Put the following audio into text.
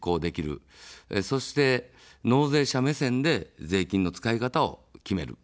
そして、納税者目線で税金の使い方を決める。